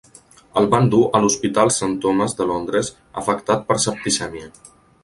El van dur a l'Hospital Saint Thomas de Londres afectat per septicèmia.